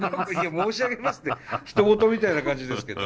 「申し上げます」って他人事みたいな感じですけど！